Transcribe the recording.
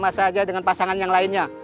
sama saja dengan pasangan yang lainnya